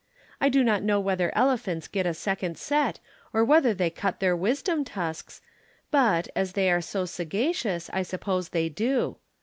I do not know whether elephants get a second set, or whether they cut their wisdom tusks, but, as they are so sagacious, I suppose they do.